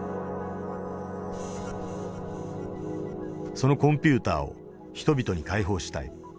そのコンピューターを人々に開放したい。